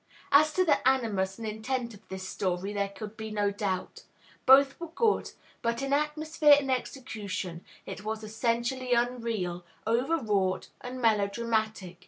As to the animus and intent of this story there could be no doubt; both were good, but in atmosphere and execution it was essentially unreal, overwrought, and melodramatic.